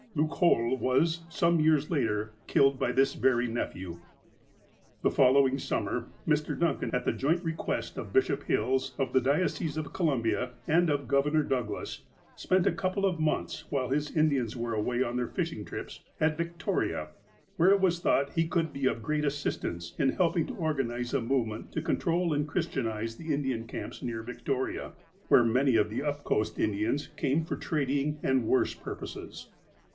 Loocoal was, some years later, killed by this very nephew. The following summer, Mr. Duncan, at the joint re quest of Bishop Hills, of the Diocese of Columbia, and of Governor Douglas, spent a couple of months, while his Indians were away on their fishing trips, at Victoria, where it was thought he could be of great assistance in helping to organize a movement to control and Christian ize the Indian camps near Victoria, where many of the up coast Indians came for trading and worse purposes.